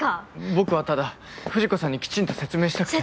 僕はただ藤子さんにきちんと説明したくて。